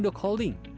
dan juga holding